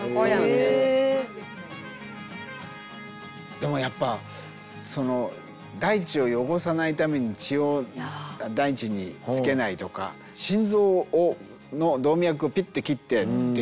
でもやっぱ大地を汚さないために血を大地につけないとか心臓の動脈をピッて切ってっていう。